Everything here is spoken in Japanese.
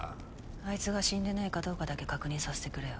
あいつが死んでねぇかどうかだけ確認させてくれよ。